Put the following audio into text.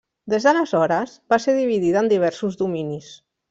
Des d'aleshores va ser dividida en diversos dominis.